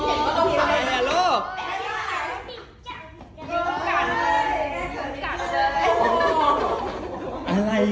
มีแชทอย่าไปติดไปหรืออ๋อออสุดท้ายเอาไว้